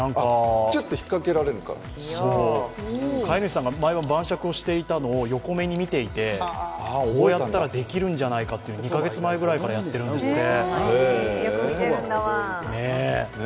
なんか飼い主さんが晩酌していたのを横目に見ていて、こうやったらできるんじゃないかって２か月ぐらい前からやっているんですって。